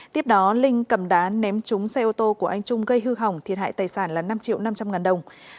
tiếp đó linh cầm đá ném trúng xe ô tô của anh trung gây hư hỏng thiệt hại tài sản là năm triệu năm trăm linh ngàn đồng